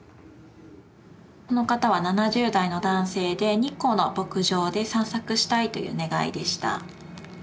この方は７０代の男性で日光の牧場で散策したいという願いでした。